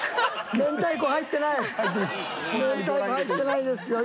明太子入ってないですよ。